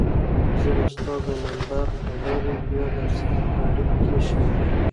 زه به ستا د نمبر له لارې بیا درسره په اړیکه کې شم.